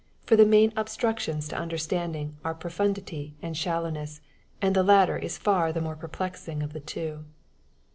for the main obstructions to understanding are profundity and shallowness, and the latter is far the more perplexing of the two.